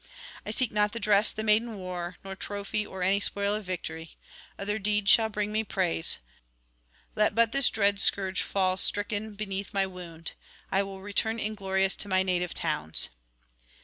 I seek not the dress the maiden wore, nor trophy or any spoil of victory; other deeds shall bring me praise; let but this dread scourge fall stricken beneath my wound, I will return inglorious to my native towns.'